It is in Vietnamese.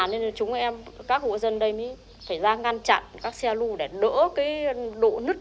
nên chúng em các hộ dân đây mới phải ra ngăn chặn các xe lù để đỡ độ nứt